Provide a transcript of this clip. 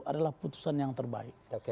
adalah putusan yang terbaik